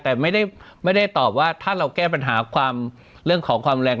แต่ไม่ได้ตอบว่าถ้าเราแก้ปัญหาความเรื่องของความแรง